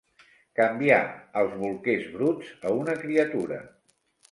Canviar els bolquers bruts a una criatura.